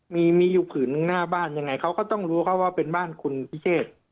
มีมีอยู่ผืนหนึ่งหน้าบ้านยังไงเขาก็ต้องรู้เขาว่าเป็นบ้านคุณพิเชษ